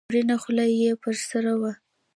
وړینه خولۍ یې پر سر وه.